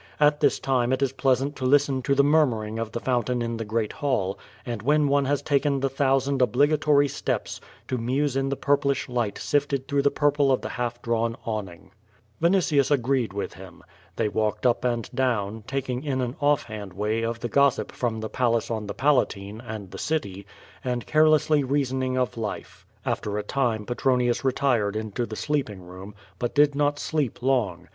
At this time it is pleasant to listen to the murmur ing of the fountain in the great hall, and when one has taken the thousand obligatory steps, to muse in the purplish light sifted through the purple of the half drawn awning. Yinitius agreed with him. They walked up and down, talking in an oiF hand way of the gossip from the palace on the Palatine, and the city; and carelessly reasoning of life. After a time Petronius retired into the sleeping room, but did not deep long.